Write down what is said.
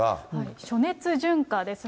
暑熱順化ですね。